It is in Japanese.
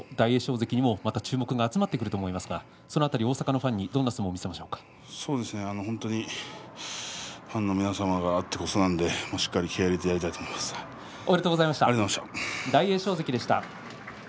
関にもまた注目が集まってくると思いますがその辺り、大阪のファンに本当にファンの皆様があってこそなのでしっかり気合いを入れておめでとうございました。